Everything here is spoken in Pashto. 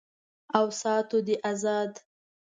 او ساتو دې آزاد